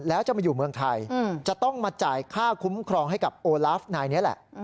แล้วจะมาอยู่เมืองไทยจะต้องมาจ่ายค่าคุ้มครองให้กับโอลาฟนายนี้แหละ